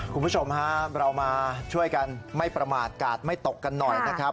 คุณผู้ชมฮะเรามาช่วยกันไม่ประมาทกาดไม่ตกกันหน่อยนะครับ